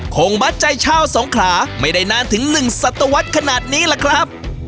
คงมัดใจชาวสงขราไม่ได้นานถึง๑สัตวรรษขนาดนี้ล่ะครับ